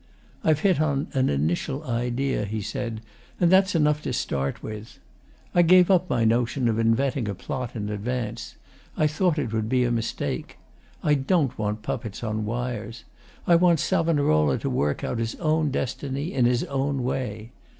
'I've hit on an initial idea,' he said, 'and that's enough to start with. I gave up my notion of inventing a plot in advance. I thought it would be a mistake. I don't want puppets on wires. I want Savonarola to work out his destiny in his own way.